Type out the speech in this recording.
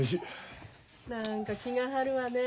何か気が張るわね。